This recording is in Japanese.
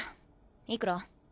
いくら？